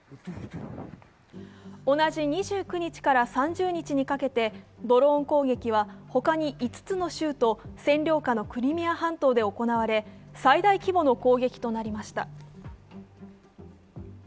同じ２９日から３０日にかけて、ドローン攻撃は他に５つの州と占領下のクリミア半島で行われ、最大規模の攻撃となりました。